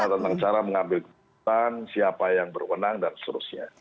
tentang cara mengambil keputusan siapa yang berwenang dan seterusnya